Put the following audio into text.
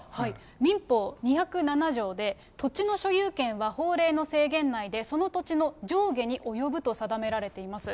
民法２０７条で、土地の所有権は法令の制限内で、その土地の上下に及ぶと定められています。